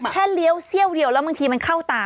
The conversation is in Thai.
เลี้ยวเสี้ยวเดียวแล้วบางทีมันเข้าตา